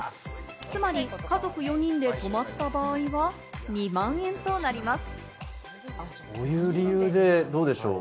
つまり、家族４人で泊まった場合は２万円となります。